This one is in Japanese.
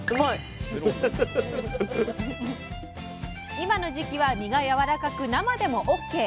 今の時期は身がやわらかく生でもオッケー。